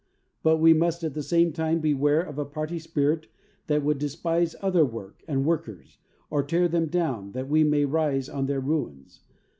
But we must at the same time beware of a party spirit that would despise other work and workers or tear them down that we may rise on their ruins.